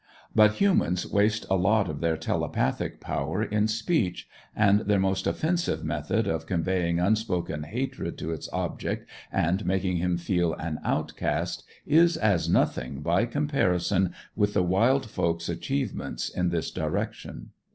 But humans waste a lot of their telepathic power in speech, and their most offensive method of conveying unspoken hatred to its object and making him feel an outcast, is as nothing by comparison with the wild folk's achievements in this direction.